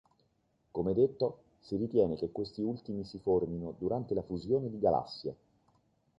Come detto, si ritiene che questi ultimi si formino durante la fusione di galassie.